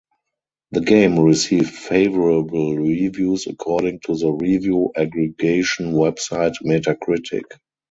The game received favorable reviews according to the review aggregation website Metacritic.